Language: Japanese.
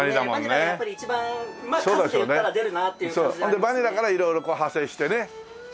それでバニラから色々こう派生してね。